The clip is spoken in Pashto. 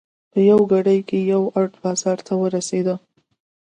په یوه ګړۍ کې یو ارت بازار ته ورسېدو.